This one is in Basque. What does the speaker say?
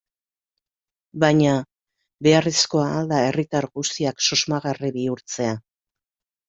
Baina, beharrezkoa al da herritar guztiak susmagarri bihurtzea?